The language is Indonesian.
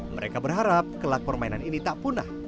mereka berharap kelak permainan ini tak punah